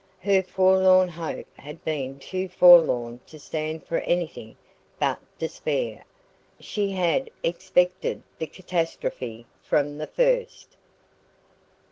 Her forlorn hope had been too forlorn to stand for anything but despair. She had expected the catastrophe from the first.